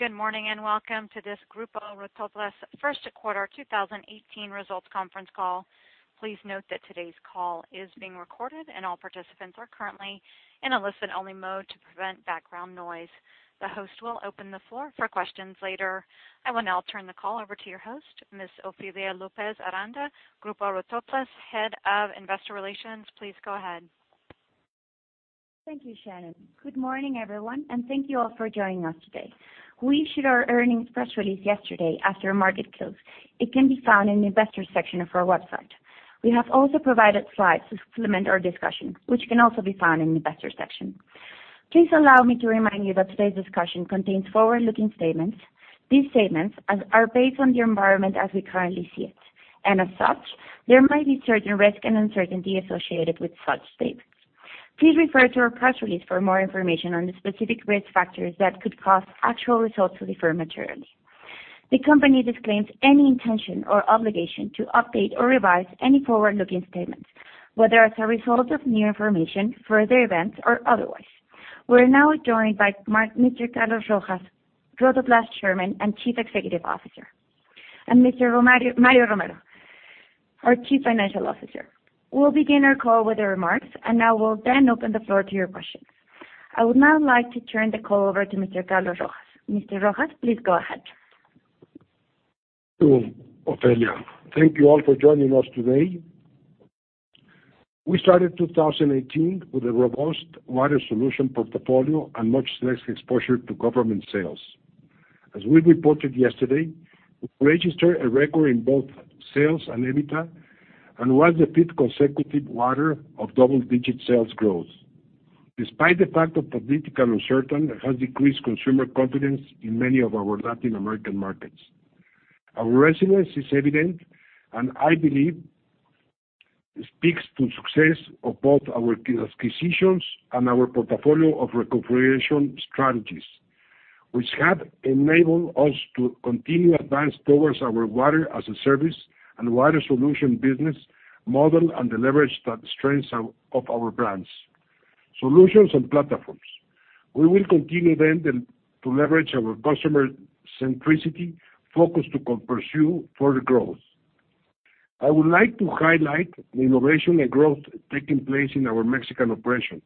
Good morning, welcome to this Grupo Rotoplas first quarter 2018 results conference call. Please note that today's call is being recorded, and all participants are currently in a listen-only mode to prevent background noise. The host will open the floor for questions later. I will now turn the call over to your host, Ms. Ofelia López Aranda, Grupo Rotoplas Head of Investor Relations. Please go ahead. Thank you, Shannon. Good morning, everyone, thank you all for joining us today. We issued our earnings press release yesterday after market close. It can be found in the investor section of our website. We have also provided slides to supplement our discussion, which can also be found in the investor section. Please allow me to remind you that today's discussion contains forward-looking statements. These statements are based on the environment as we currently see it, as such, there might be certain risk and uncertainty associated with such statements. Please refer to our press release for more information on the specific risk factors that could cause actual results to differ materially. The company disclaims any intention or obligation to update or revise any forward-looking statements, whether as a result of new information, further events, or otherwise. We are now joined by Mr. Carlos Rojas, Rotoplas Chairman and Chief Executive Officer, and Mr. Mario Romero, our Chief Financial Officer. We will begin our call with the remarks, I will then open the floor to your questions. I would now like to turn the call over to Mr. Carlos Rojas. Mr. Rojas, please go ahead. Thank you, Ofelia. Thank you all for joining us today. We started 2018 with a robust water solution portfolio much less exposure to government sales. As we reported yesterday, we registered a record in both sales and EBITDA, was the fifth consecutive quarter of double-digit sales growth. Despite the fact of political uncertainty that has decreased consumer confidence in many of our Latin American markets. Our resilience is evident, I believe speaks to success of both our key acquisitions and our portfolio of recuperation strategies, which have enabled us to continue advance towards our water-as-a-service and water solution business model, and the leverage that strengths of our brands, solutions, and platforms. We will continue to leverage our customer centricity focus to pursue further growth. I would like to highlight the innovation and growth taking place in our Mexican operation,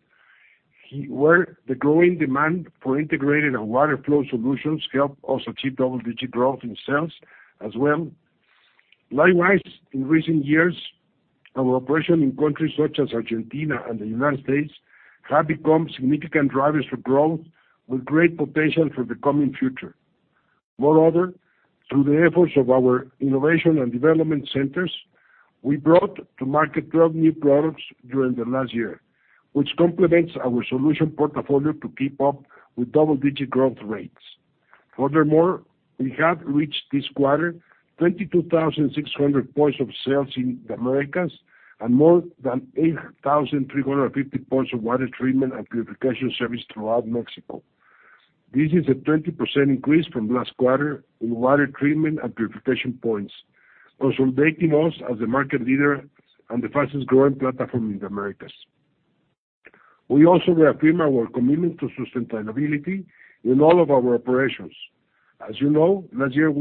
where the growing demand for integrated and water flow solutions help us achieve double-digit growth in sales as well. Likewise, in recent years, our operation in countries such as Argentina and the U.S. have become significant drivers for growth with great potential for the coming future. Moreover, through the efforts of our innovation and development centers, we brought to market 12 new products during the last year, which complements our solution portfolio to keep up with double-digit growth rates. Furthermore, we have reached this quarter 22,600 points of sales in the Americas, and more than 8,350 points of water treatment and purification service throughout Mexico. This is a 20% increase from last quarter in water treatment and purification points, consolidating us as the market leader and the fastest growing platform in the Americas. We also reaffirm our commitment to sustainability in all of our operations. As you know, last year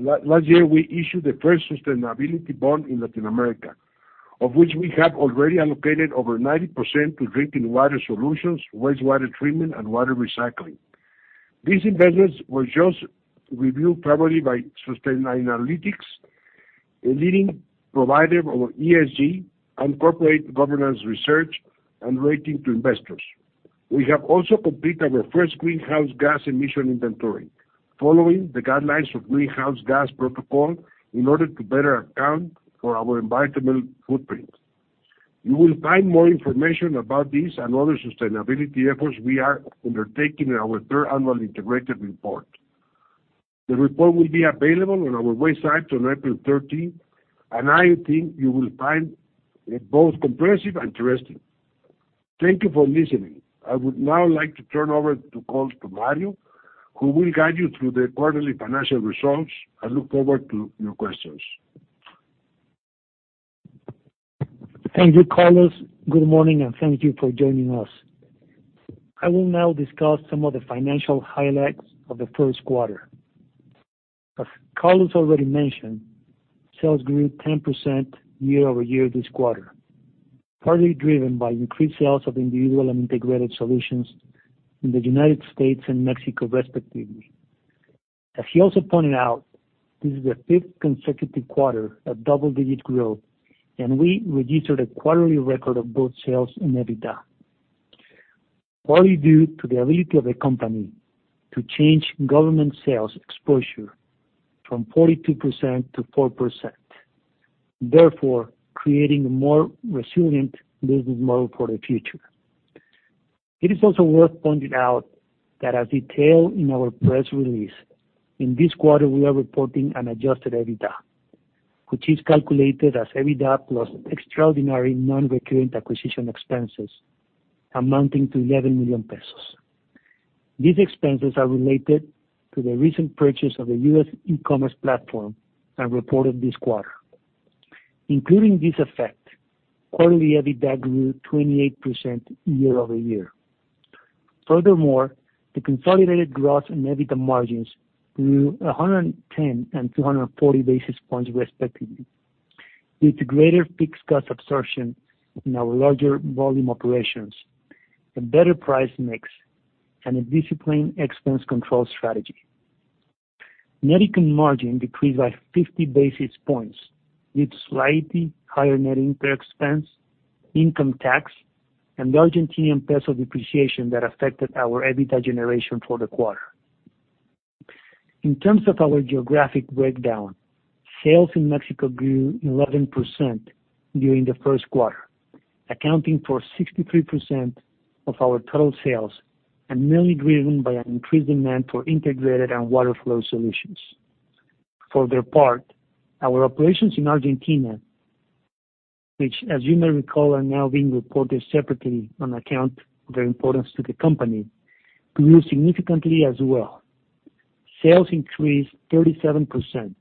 we issued the first sustainability bond in Latin America, of which we have already allocated over 90% to drinking water solutions, wastewater treatment, and water recycling. These investments were just reviewed favorably by Sustainalytics, a leading provider of ESG and corporate governance research, and rating to investors. We have also completed our first greenhouse gas emission inventory, following the guidelines of Greenhouse Gas Protocol in order to better account for our environmental footprint. You will find more information about this and other sustainability efforts we are undertaking in our third annual integrated report. The report will be available on our website on April 13th. I think you will find it both comprehensive and interesting. Thank you for listening. I would now like to turn over the call to Mario, who will guide you through the quarterly financial results. I look forward to your questions. Thank you, Carlos. Good morning. Thank you for joining us. I will now discuss some of the financial highlights of the first quarter. As Carlos already mentioned, sales grew 10% year-over-year this quarter, partly driven by increased sales of individual and integrated solutions in the U.S. and Mexico, respectively. As he also pointed out, this is the fifth consecutive quarter of double-digit growth. We registered a quarterly record of both sales and EBITDA, partly due to the ability of the company to change government sales exposure from 42% to 4%, therefore creating a more resilient business model for the future. It is also worth pointing out that as detailed in our press release, in this quarter, we are reporting an adjusted EBITDA, which is calculated as EBITDA plus extraordinary non-reoccurring acquisition expenses amounting to 11 million pesos. These expenses are related to the recent purchase of the US e-commerce platform and reported this quarter. Including this effect, quarterly EBITDA grew 28% year over year. Furthermore, the consolidated gross and EBITDA margins grew 110 and 240 basis points respectively, with greater fixed cost absorption in our larger volume operations, a better price mix, and a disciplined expense control strategy. Net income margin decreased by 50 basis points, with slightly higher net interest expense, income tax, and the Argentinian peso depreciation that affected our EBITDA generation for the quarter. In terms of our geographic breakdown, sales in Mexico grew 11% during the first quarter, accounting for 63% of our total sales and mainly driven by an increased demand for integrated and water flow solutions. For their part, our operations in Argentina, which as you may recall, are now being reported separately on account of their importance to the company, grew significantly as well. Sales increased 37%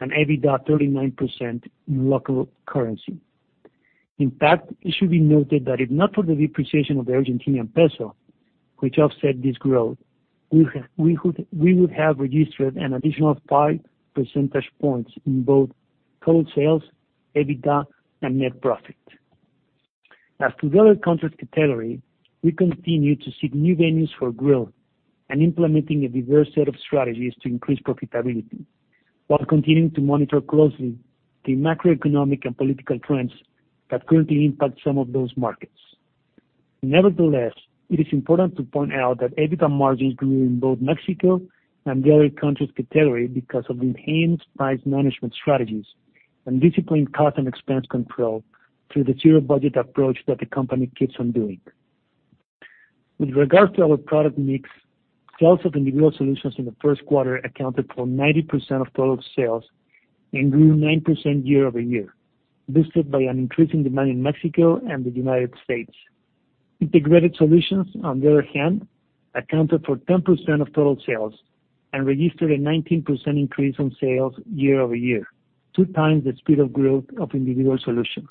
and EBITDA 39% in local currency. In fact, it should be noted that if not for the depreciation of the Argentinian peso, which offset this growth, we would have registered an additional five percentage points in both total sales, EBITDA, and net profit. As to the other countries category, we continue to seek new venues for growth and implementing a diverse set of strategies to increase profitability while continuing to monitor closely the macroeconomic and political trends that currently impact some of those markets. Nevertheless, it is important to point out that EBITDA margins grew in both Mexico and the other countries category because of the enhanced price management strategies and disciplined cost and expense control through the zero-budget approach that the company keeps on doing. With regards to our product mix, sales of individual solutions in the first quarter accounted for 90% of total sales and grew 9% year over year, boosted by an increase in demand in Mexico and the United States. Integrated solutions, on the other hand, accounted for 10% of total sales and registered a 19% increase in sales year over year, two times the speed of growth of individual solutions.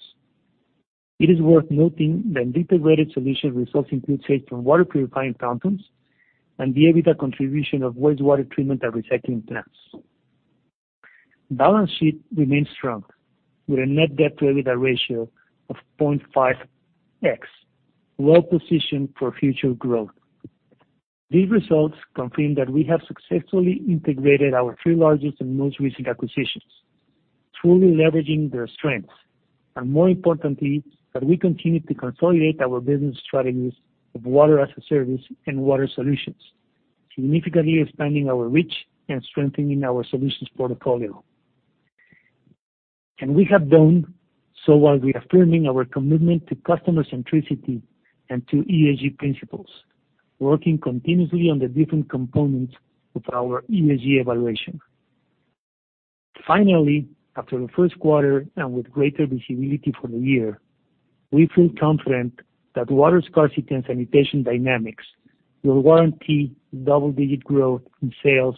It is worth noting that integrated solutions results include sales from water purifying fountains and the EBITDA contribution of wastewater treatment and recycling plants. Balance sheet remains strong, with a net debt-to-EBITDA ratio of 0.5x, well-positioned for future growth. These results confirm that we have successfully integrated our three largest and most recent acquisitions, truly leveraging their strengths, and more importantly, that we continue to consolidate our business strategies of water-as-a-service and water solutions, significantly expanding our reach and strengthening our solutions portfolio. We have done so while reaffirming our commitment to customer centricity and to ESG principles, working continuously on the different components of our ESG evaluation. Finally, after the first quarter and with greater visibility for the year, we feel confident that water scarcity and sanitation dynamics will guarantee double-digit growth in sales,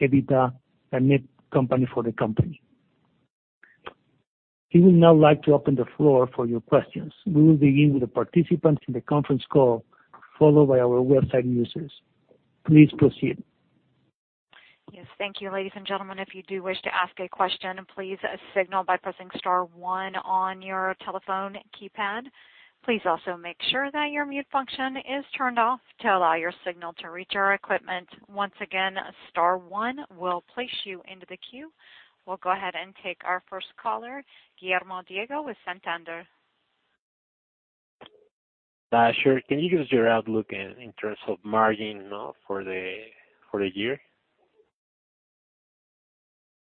EBITDA, and net income for the company. We would now like to open the floor for your questions. We will begin with the participants in the conference call, followed by our website users. Please proceed. Yes. Thank you, ladies and gentlemen. If you do wish to ask a question, please signal by pressing star one on your telephone keypad. Please also make sure that your mute function is turned off to allow your signal to reach our equipment. Once again, star one will place you into the queue. We'll go ahead and take our first caller, Guillermo Diego with Santander. Sure. Can you give us your outlook in terms of margin for the year?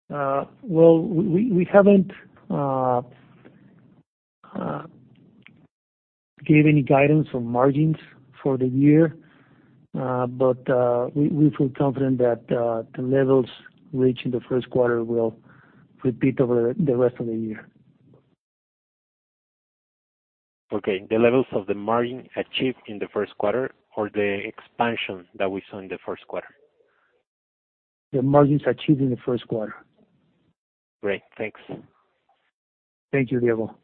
Well, we haven't given any guidance on margins for the year. We feel confident that the levels reached in the first quarter will repeat over the rest of the year. Okay. The levels of the margin achieved in the first quarter or the expansion that we saw in the first quarter? The margins achieved in the first quarter. Great. Thanks. Thank you, Diego.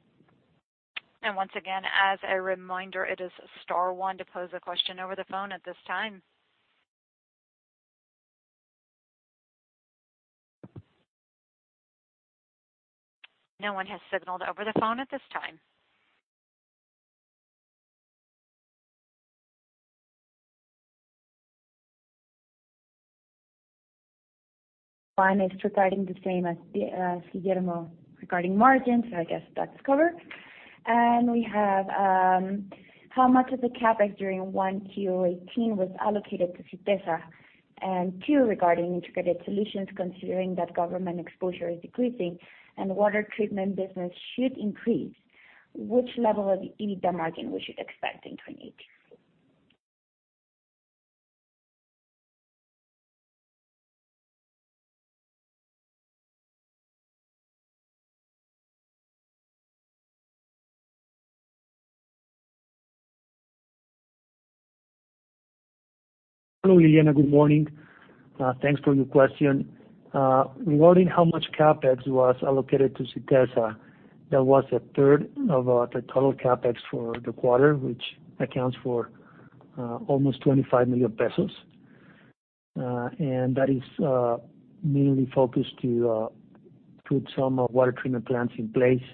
Once again, as a reminder, it is star one to pose a question over the phone at this time. No one has signaled over the phone at this time. Mine is regarding the same as Guillermo regarding margins. I guess that's covered. We have, how much of the CapEx during 1Q18 was allocated to Sytesa? Two, regarding integrated solutions, considering that government exposure is decreasing and water treatment business should increase, which level of EBITDA margin we should expect in 2018? Hello, Liliana. Good morning. Thanks for your question. Regarding how much CapEx was allocated to Sytesa, that was a third of the total CapEx for the quarter, which accounts for almost 25 million pesos. That is mainly focused to put some water treatment plants in place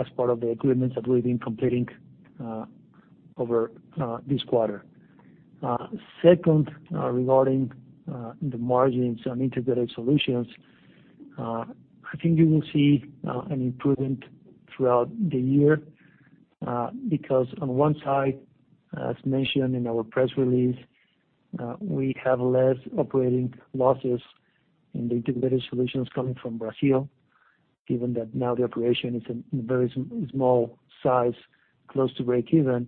as part of the agreements that we've been completing over this quarter. Second, regarding the margins on integrated solutions, I think you will see an improvement throughout the year. On one side, as mentioned in our press release, we have less operating losses in the integrated solutions coming from Brazil, given that now the operation is in a very small size, close to breakeven.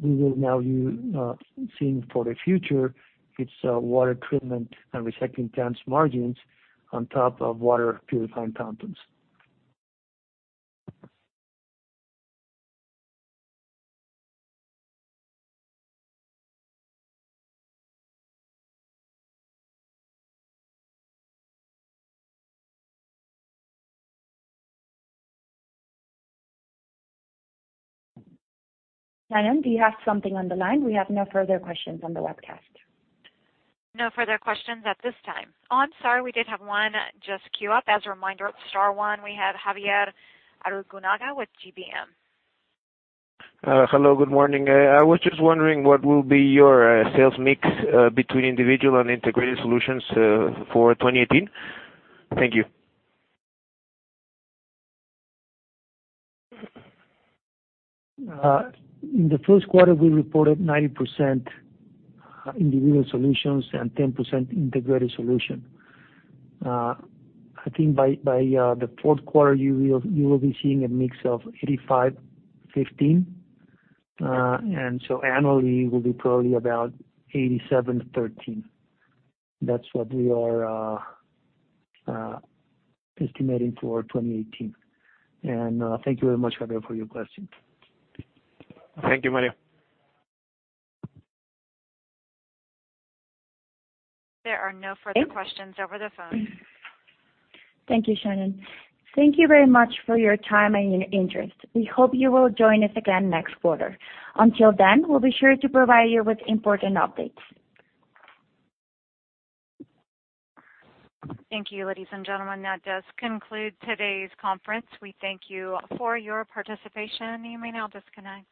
We will now be seeing for the future, its water treatment and recycling plants margins on top of water purifying fountains. Shannon, do you have something on the line? We have no further questions on the webcast. No further questions at this time. I'm sorry, we did have one just queue up. As a reminder, it's star one. We have Javier Arrigunaga with GBM. Hello, good morning. I was just wondering what will be your sales mix between individual and integrated solutions for 2018. Thank you. In the first quarter, we reported 90% individual solutions and 10% integrated solution. By the fourth quarter, you will be seeing a mix of 85/15. Annually, will be probably about 87/13. That is what we are estimating for 2018. Thank you very much, Javier, for your question. Thank you, Mario. There are no further questions over the phone. Thank you, Shannon. Thank you very much for your time and your interest. We hope you will join us again next quarter. Until then, we'll be sure to provide you with important updates. Thank you, ladies and gentlemen. That does conclude today's conference. We thank you for your participation. You may now disconnect.